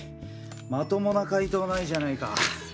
まともな回答ないじゃないか。